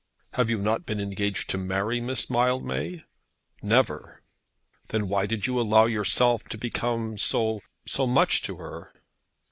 "Have you not been engaged to marry Miss Mildmay?" "Never." "Then why did you allow yourself to become so so much to her?"